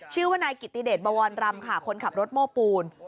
ชื่อว่านายกิติเดชบวรรำค่ะคนขับรถโม้ปูน